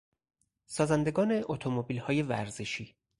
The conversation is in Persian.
سازندگان اتومبیلهای ورزشی